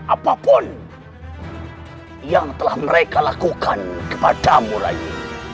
apapun yang telah mereka lakukan kepadamu lagi